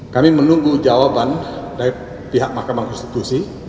kami menunggu jawaban dari pihak mahkamah konstitusi